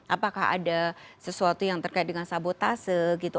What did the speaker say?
apakah ada sesuatu yang terkait dengan sabotase gitu